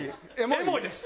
エモいです！